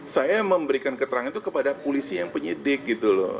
saya memberikan keterangan itu kepada polisi yang penyidik gitu loh